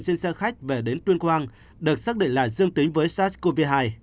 trên xe khách về đến tuyên quang được xác định là dương tính với sars cov hai